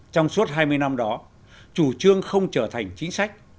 trong suốt hai mươi năm đó chủ trương không trở thành chính sách